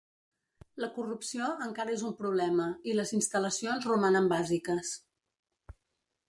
La corrupció encara és un problema i les instal·lacions romanen bàsiques.